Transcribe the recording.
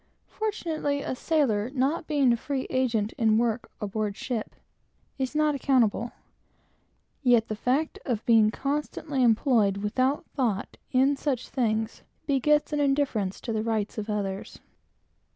Fortunately a sailor, not being a free agent in work aboard ship, is not accountable; yet the fact of being constantly employed, without thought, in such things, begets an indifference to the rights of others.